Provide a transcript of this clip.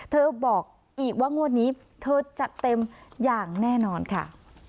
บอกอีกว่างวดนี้เธอจัดเต็มอย่างแน่นอนค่ะ